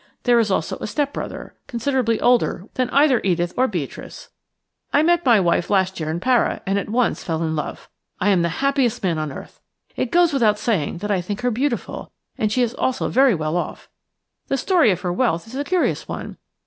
There is also a step brother, considerably older than either Edith or Beatrice. I met my wife last year in Para, and at once fell in love. I am the happiest man on earth. It goes without saying that I think her beautiful, and she is also very well off. The story of her wealth is a curious one.